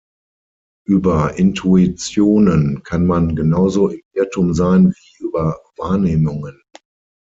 Über Intuitionen kann man genauso im Irrtum sein wie über Wahrnehmungen.